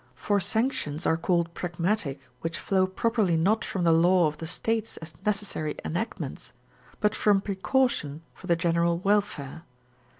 For sanctions are called pragmatic which flow properly not from the law of the states as necessary enactments, but from precaution for the general welfare.